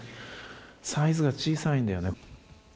サイズが小さいんだよね。